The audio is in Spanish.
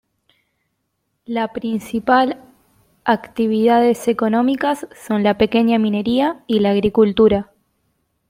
La principal actividades económicas son la pequeña minería y la agricultura.